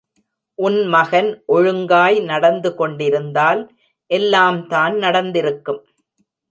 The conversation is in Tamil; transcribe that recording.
உன் மகன் ஒழுங்காய் நடந்து கொண்டிருந்தால் எல்லாம்தான் நடந்திருக்கும்.